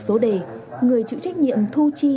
số đề người chịu trách nhiệm thu chi